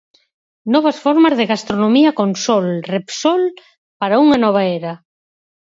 Novas formas de gastronomía con sol Repsol para unha nova era.